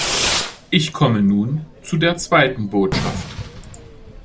Ich komme nun zu der zweiten Botschaft.